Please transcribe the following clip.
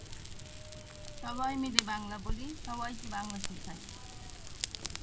কেবলমাত্র একটি টেস্ট ড্রয়ে পরিণত হয়েছিল।